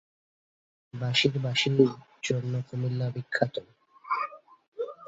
বাঁশের বাঁশির জন্য কুমিল্লা বিখ্যাত।